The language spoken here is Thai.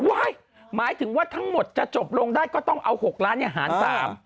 หมายถึงว่าทั้งหมดจะจบลงได้ก็ต้องเอา๖ล้านหาร๓